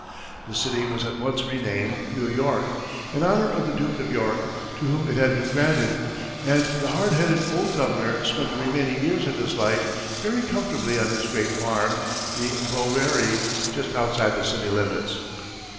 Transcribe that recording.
The city was at once renamed New York, in honor of the Duke of York, to whom it had been granted; and the hard headed old governor spent the remaining years of his life very comfortably on his great farm, the Bouwerie, just outside the city limits.